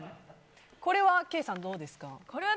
これはケイさん、どうですか？